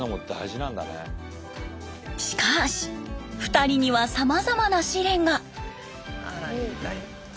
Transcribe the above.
しかし２人にはさまざまな試練が。